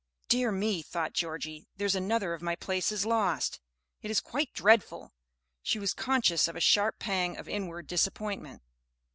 "Dear me," thought Georgie, "there's another of my places lost! It is quite dreadful!" She was conscious of a sharp pang of inward disappointment.